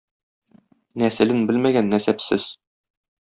Нәселен белмәгән нәсәпсез.